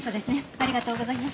ありがとうございます。